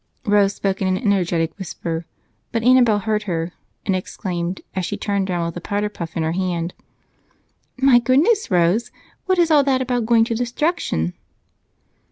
Rose spoke in an energetic whisper, but Annabel heard her and exclaimed, as she turned round with a powder puff in her hand: "My goodness, Rose! What is all that about going to destruction?"